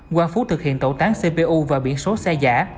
quang phú thực hiện tẩu tán cpu và biển số xe giả